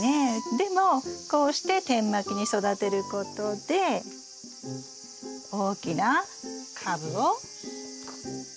でもこうして点まきに育てることで大きな株を育てることができます。